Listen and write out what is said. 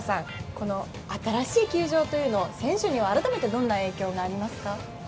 この新しい球場というのは選手には、改めてどんな影響がありますか？